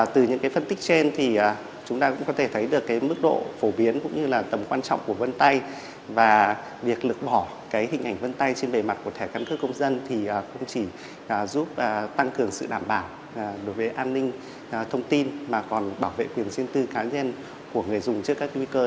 từ những cái phân tích trên thì chúng ta cũng có thể thấy được cái mức độ phổ biến cũng như là tầm quan trọng của vân tay và việc lược bỏ cái hình ảnh vân tay trên bề mặt của thẻ căn cước công dân thì không chỉ giúp tăng cường sự đảm bảo đối với an ninh thông tin mà còn bảo vệ quyền lực